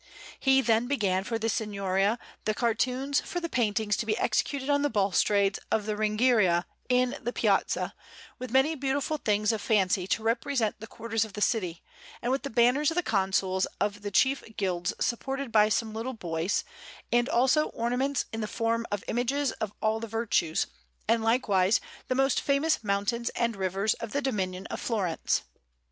He then began for the Signoria the cartoons for the paintings to be executed on the balustrades of the Ringhiera in the Piazza, with many beautiful things of fancy to represent the quarters of the city, and with the banners of the Consuls of the chief Guilds supported by some little boys, and also ornaments in the form of images of all the virtues, and likewise the most famous mountains and rivers of the dominion of Florence.